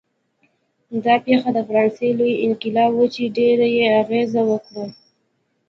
دا پېښه د فرانسې لوی انقلاب و چې ډېر یې اغېز وکړ.